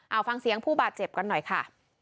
เอาฟังเสียงผู้บาดเจ็บกันหน่อยค่ะ